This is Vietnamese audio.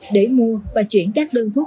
để mua và chuyển các đơn thuốc